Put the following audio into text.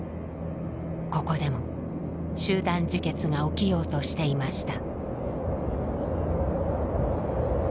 ここでも集団自決が起きようとしていました。